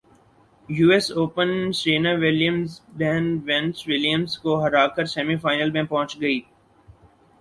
US open Serena Williams بہن Venus Williams کو ہرا کر سیمی فائنل میں پہنچ گئی